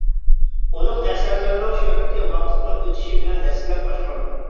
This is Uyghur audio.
ئۇنىڭ ئەسەرلىرىنىڭ شۆھرىتى ۋاقىتنىڭ ئۆتۈشى بىلەن ھەسسىلەپ ئاشقان.